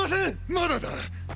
まだだ！！